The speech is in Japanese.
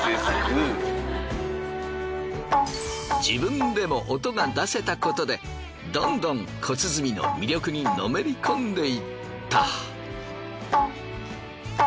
自分でも音が出せたことでどんどん小鼓の魅力にのめり込んでいった。